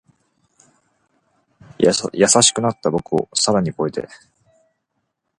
優しくなった僕を更に越えて